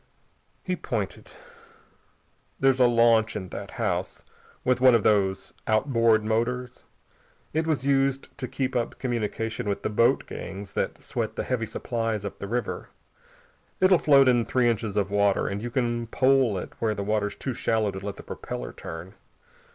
He pointed. "There's a launch in that house, with one of these outboard motors. It was used to keep up communication with the boat gangs that sweat the heavy supplies up the river. It'll float in three inches of water, and you can pole it where the water's too shallow to let the propeller turn.